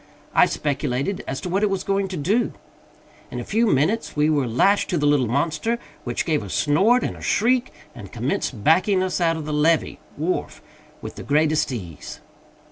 I speculated as to what it was going to do. In a few minutes we were lashed to the little monster, which gave a snort and a shriek, and commenced backing us out from the levee (wharf) with the greatest ease.